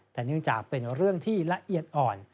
แต่เนื่องจากเป็นเรื่องที่ละเอียดอ่อน